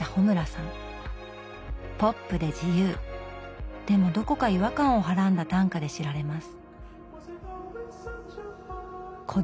ポップで自由でもどこか違和感をはらんだ短歌で知られます。